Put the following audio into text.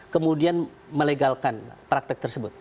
kemudian melegalkan praktek tersebut